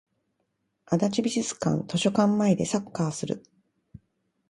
足立美術館図書館前でサッカーする